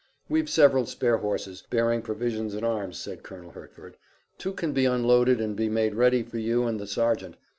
"We've several spare horses, bearing provisions and arms," said Colonel Hertford. "Two can be unloaded and be made ready for you and the sergeant.